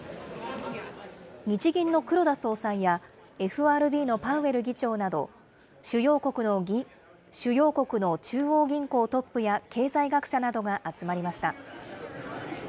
日銀の黒田総裁やＦＲＢのパウエル議長など、主要国の中央銀行トップや、経済学者などが集まりました。